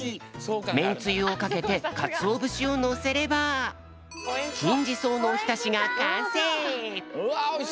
めんつゆをかけてかつおぶしをのせればきんじそうのおひたしがかんせい！